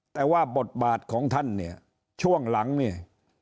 แต่ว่าบทบาทของท่านเนี่ยช่วงหลังเนี่ย